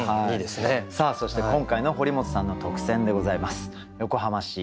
さあそして今回の堀本さんの特選でございます。